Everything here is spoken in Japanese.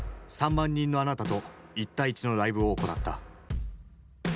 ３万人のあなたと一対一のライブを行った。